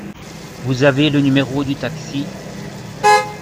Vous avez le numéro du taxi ?